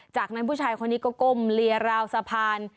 จากนั้นผู้ชายคนนี้ก็ก้มเลียราวสะพาน